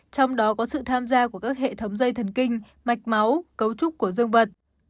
trong đó có sự tham gia của các hệ thống dây thần kinh mạch máu cấu trúc của dương vật